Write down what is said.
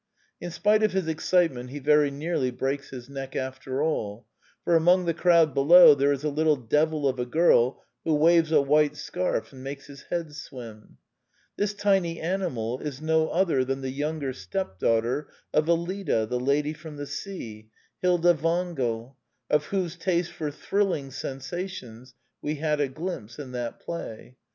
In spite of his excitement, he very nearly breaks his neck, after all; for among the crowd below there is a litde devil of a girl who waves a white scarf and makes his head swim. This tiny animal is no other than the younger stepdaughter of EUida, The Lady from the Sea, Hilda Wangel, of whose taste for '* thrilling " sensations we had a glimpse in that play.